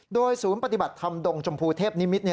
โดยศูนย์ปฏิบัติธรรมดงชมพูเทพนิมิตร